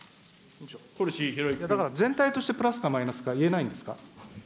だから全体としてプラスかマイナスか、言えないんですか。